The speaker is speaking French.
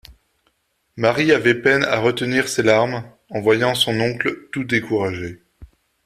Marie avait peine à retenir ses larmes, en voyant son oncle tout découragé.